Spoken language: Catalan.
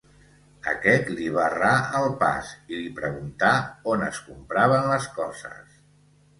aquest li barrà el pas, i li preguntà on es compraven les coses